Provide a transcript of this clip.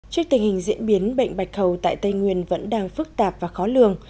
trước tình hình diễn biến bệnh bạch hầu tại tây nguyên vẫn đang phức tạp và khó lường